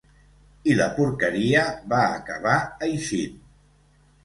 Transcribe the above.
I la porqueria va acabar eixint.